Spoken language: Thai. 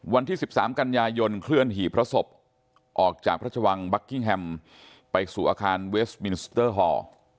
วันที่๑๓กันยายนเคลื่อนหี่พระศพออกจากพระชวังบัคกิ้งแฮมไปสู่อาคารเวสมินสเตอร์ฮอร์